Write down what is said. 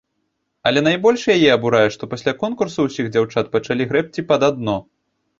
Але найбольш яе абурае, што пасля конкурсу ўсіх дзяўчат пачалі грэбці пад адно.